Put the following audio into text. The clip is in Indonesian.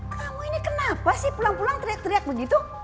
kamu ini kenapa sih pulang pulang teriak teriak begitu